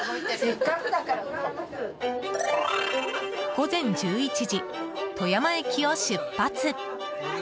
午前１１時、富山駅を出発。